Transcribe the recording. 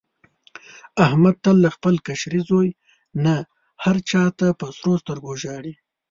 احمد تل له خپل کشري زوی نه هر چا ته په سرو سترګو ژاړي.